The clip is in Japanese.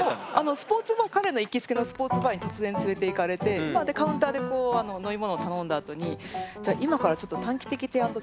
スポーツバー彼の行きつけのスポーツバーに突然連れていかれてカウンターで飲み物を頼んだあとにじゃあ今からちょっとって言われて。